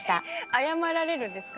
謝られるんですか？